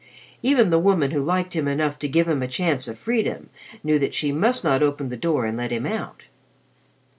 Even the woman who liked him enough to give him a chance of freedom knew that she must not open the door and let him out.